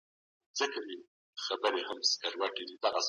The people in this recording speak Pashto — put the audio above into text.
ایا مسلکي بڼوال شین ممیز اخلي؟